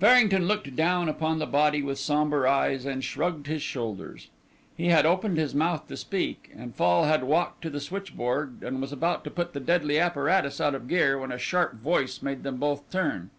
Farrington looked down upon the body with sombre eyes and shrugged his shoulders. He had opened his mouth to speak and Fall had walked to the switchboard and was about to put the deadly apparatus out of gear, when a sharp voice made them both turn.